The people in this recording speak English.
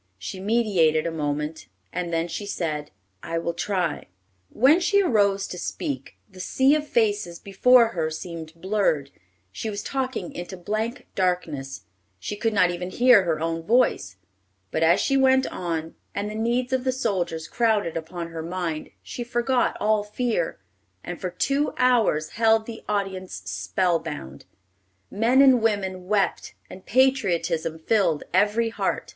She meditated a moment, and then she said, "I will try." When she arose to speak, the sea of faces before her seemed blurred. She was talking into blank darkness. She could not even hear her own voice. But as she went on, and the needs of the soldiers crowded upon her mind, she forgot all fear, and for two hours held the audience spell bound. Men and women wept, and patriotism filled every heart.